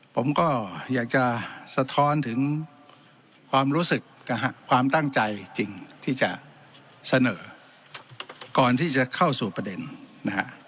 ผมก็อยากจะสะท้อนถึงความรู้สึกนะฮะความตั้งใจจริงที่จะเสนอก่อนที่จะเข้าสู่ประเด็นนะฮะ